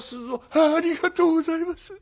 「ありがとうございます。